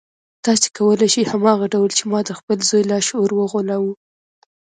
تاسې کولای شئ هماغه ډول چې ما د خپل زوی لاشعور وغولاوه.